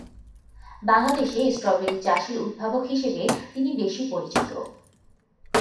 বাংলাদেশে স্ট্রবেরি চাষের উদ্ভাবক হিসেবে তিনি বেশি পরিচিত।